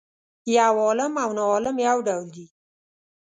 یو عالم او ناعالم یو ډول دي.